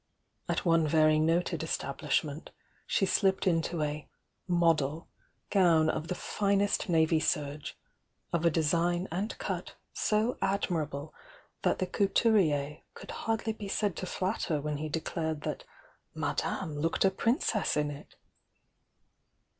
At one very noted establishment, she slipped into a "model" gown of the finest navy serge, of a design and cut so admirable that the couturier could hardly be said to flatter when he declared that "Madame looked a princess in it."